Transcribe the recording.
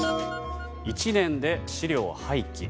１年で資料廃棄。